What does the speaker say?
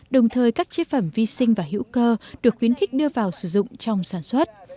đồng thời các chế phẩm vi sinh và hữu cơ được khuyến khích đưa vào sử dụng trong sản xuất